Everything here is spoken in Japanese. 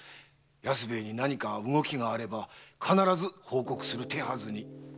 安兵衛に何か動きがあれば必ず報告する手はずに。